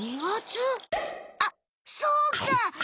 あっそうか！